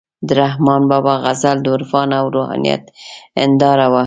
د رحمان بابا غزل د عرفان او روحانیت هنداره وه،